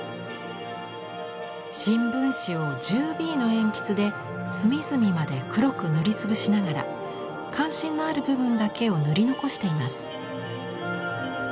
新聞紙を１０Ｂの鉛筆で隅々まで黒く塗り潰しながら関心のある部分だけを塗り残しています。